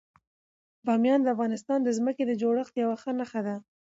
بامیان د افغانستان د ځمکې د جوړښت یوه ښه نښه ده.